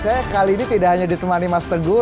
saya kali ini tidak hanya ditemani mas teguh